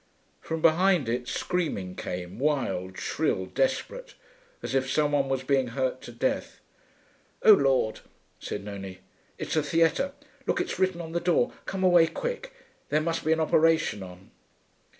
From behind it screaming came, wild, shrill, desperate, as if some one was being hurt to death. 'O Lord!' said Nonie, 'it's the theatre. Look, it's written on the door. Come away quick. There must be an operation on.'